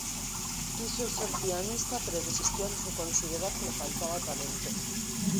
Quiso ser pianista, pero desistió al considerar que le faltaba talento.